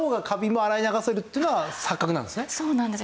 そうなんです。